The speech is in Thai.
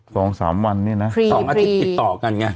๒๓วันนี้นะ